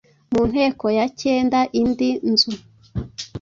Mu nteko ya kenda: Indi nzu